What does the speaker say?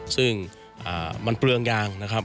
ซึ่งมันเปลืองยางนะครับ